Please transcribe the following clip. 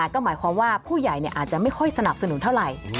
ก็หมายความว่าผู้ใหญ่อาจจะไม่ค่อยสนับสนุนเท่าไหร่